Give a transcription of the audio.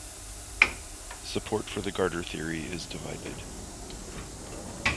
Support for the Garter theory is divided.